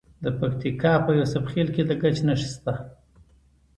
د پکتیکا په یوسف خیل کې د ګچ نښې شته.